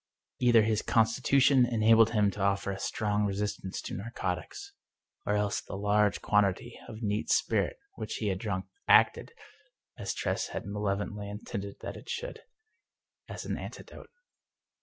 Either his constitution enabled him to offer a strong re sistance to narcotics, or else the large quantity of neat spirit which he had drunk acted — ^as Tress had malevolently in tended that it should — as an antidote.